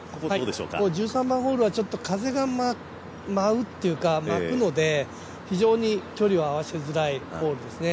１３番ホールは風が舞うので非常に距離が合わせづらいホールですね。